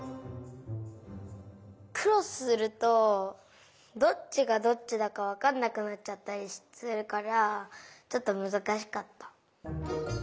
クロスするとどっちがどっちだかわかんなくなっちゃったりするからちょっとむずかしかった。